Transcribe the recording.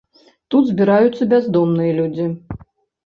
Тут збіраюцца бяздомныя людзі.